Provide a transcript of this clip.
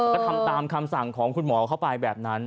ก็ทำตามคำสั่งของคุณหมอเข้าไปแบบนั้น